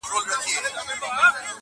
که هر څو یې کړېدی پلار له دردونو.!